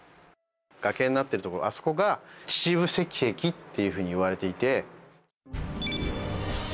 崖になってるところあそこが「秩父赤壁」っていうふうにいわれていて。